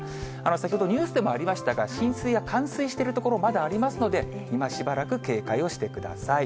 先ほど、ニュースでもありましたが、浸水や冠水している所、まだありますので、今しばらく、警戒をしてください。